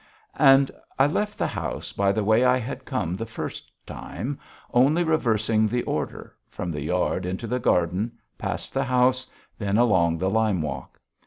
And I left the house by the way I had come the first time, only reversing the order, from the yard into the garden, past the house, then along the lime walk.